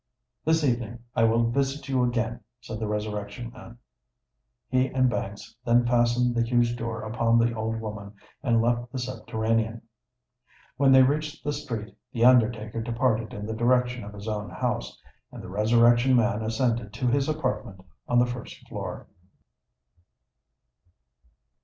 "This evening I will visit you again," said the Resurrection Man. He and Banks then fastened the huge door upon the old woman, and left the subterranean. When they reached the street, the undertaker departed in the direction of his own house; and the Resurrection Man ascended to his apartment on the first floor.